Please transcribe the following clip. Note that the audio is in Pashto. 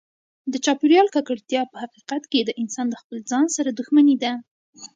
د چاپیریال ککړتیا په حقیقت کې د انسان د خپل ځان سره دښمني ده.